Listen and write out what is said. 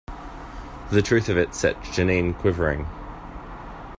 The truth of it set Jeanne quivering.